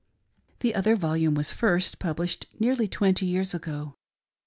The other volume was first published nearly twenty years ago.